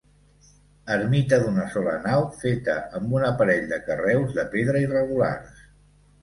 Ermita d'una sola nau feta amb un aparell de carreus de pedra irregulars.